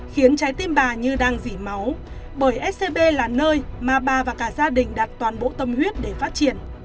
khiến trái tim bà như đang dỉ máu bởi scb là nơi mà bà và cả gia đình đặt toàn bộ tâm huyết để phát triển